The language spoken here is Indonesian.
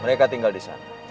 mereka tinggal disana